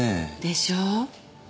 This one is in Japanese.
でしょう？